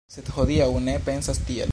Sed hodiaŭ oni ne pensas tiel.